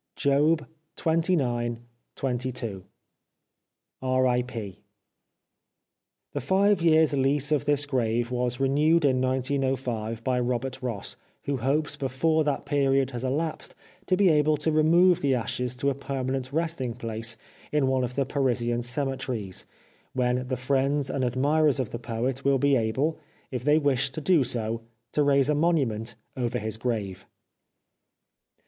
Job xxix. 22. R.LP. The five years' lease of this grave was renewed in 1905 by Robert Ross, who hopes before that period has elapsed to be able to remove the ashes to a permanent resting place in one of the Parisian cemeteries, when the friends and ad mirers of the poet will be able, if they wish to do so, to raise a monument over his grave.